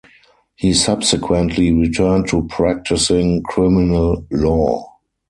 He subsequently returned to practising criminal law.